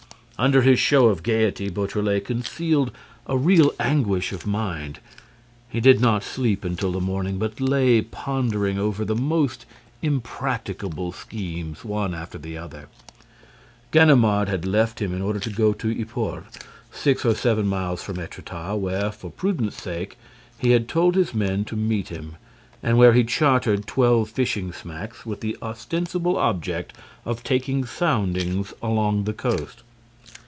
Under his show of gaiety, Beautrelet concealed a real anguish of mind. He did not sleep until the morning, but lay pondering over the most impracticable schemes, one after the other. Ganimard had left him in order to go to Yport, six or seven miles from Étretat, where, for prudence's sake, he had told his men to meet him, and where he chartered twelve fishing smacks, with the ostensible object of taking soundings along the coast.